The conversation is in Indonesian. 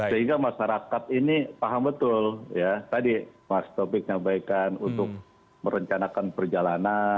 sehingga masyarakat ini paham betul ya tadi mas taufik menyampaikan untuk merencanakan perjalanan